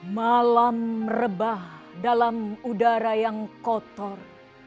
malam rebah dalam udara yang kotor